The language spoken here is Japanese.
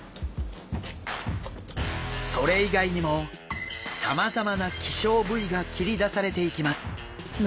それ以外にもさまざまな希少部位が切り出されていきます。